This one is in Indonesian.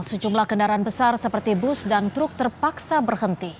sejumlah kendaraan besar seperti bus dan truk terpaksa berhenti